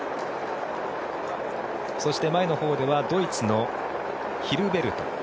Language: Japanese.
そして前のほうではドイツのヒルベルト。